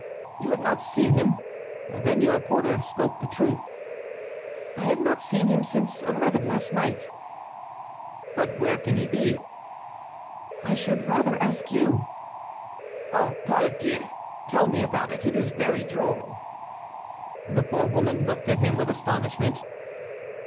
"You have not seen him? Then your porter spoke the truth." "I have not seen him since eleven last night." "But where can he be?" "I should rather ask you." "Oh, pardieu, tell me about it, it is very droll." The poor woman looked at him with astonishment.